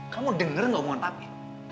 kamu dengar ngomongan papi